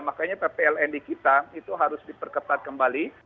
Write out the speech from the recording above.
makanya ppln di kita itu harus diperketat kembali